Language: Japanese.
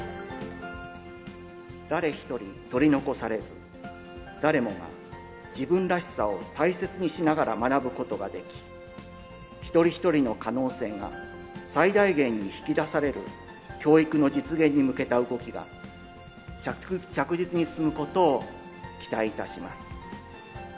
誰一人取り残されず、誰もが自分らしさを大切にしながら学ぶことができ、一人一人の可能性が最大限に引き出される教育の実現に向けた動きが、着実に進むことを期待いたします。